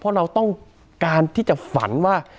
เพราะเราต้องการที่จะฝันว่า